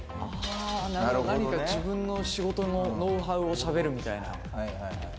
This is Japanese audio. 自分の仕事のノウハウを喋るみたいな。